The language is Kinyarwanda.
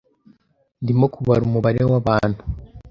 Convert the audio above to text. Ndimo kubara umubare wabantu.